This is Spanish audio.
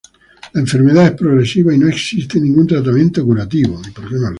La enfermedad es progresiva y no existe ningún tratamiento curativo.